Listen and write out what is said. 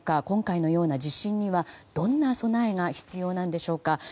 今回のような地震にはどんな備えが必要なんでしょうか。